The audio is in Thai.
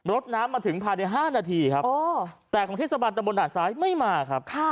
รถน้ำมาถึงภายใน๕นาทีครับแต่ของเทศบาลตะบนด่านซ้ายไม่มาครับ